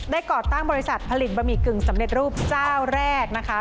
ก่อตั้งบริษัทผลิตบะหมี่กึ่งสำเร็จรูปเจ้าแรกนะคะ